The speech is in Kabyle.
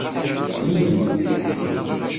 yid-i.